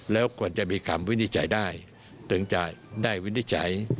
แล้วควรจะมีคำวินิจฉัยได้ถึงจะได้วินิจฉัย